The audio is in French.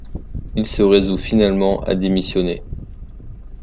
Il se résout finalement à démissionner.